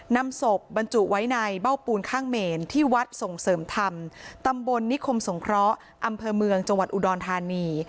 นำศพบรรจุไว้ในเบ้าปูนข้างเมนที่วัดส่งเสริมธรรมตำบลนิคมสงเคราะห์อำเภอเมืองจังหวัดอุดรธานี